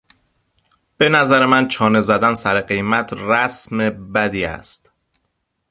به نظر من چانه زدن سر قیمت رسم بدی است.